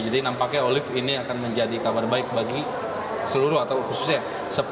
nampaknya olive ini akan menjadi kabar baik bagi seluruh atau khususnya